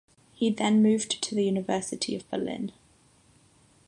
He then moved to the University of Berlin.